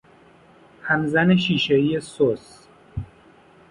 همزن شیشه ای سس